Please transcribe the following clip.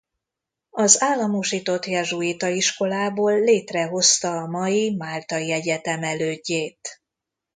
Az államosított jezsuita iskolából létrehozta a mai Máltai Egyetem elődjét.